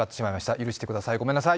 許してください、ごめんなさい！